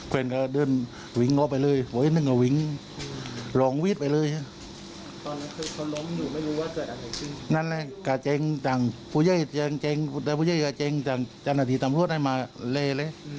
แต่บุญใต้แกเจ้งจันนาภิตทำทวดให้มาเลย